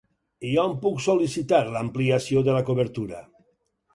I on puc sol·licitar l'ampliació de la cobertura?